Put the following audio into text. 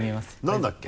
何だっけ？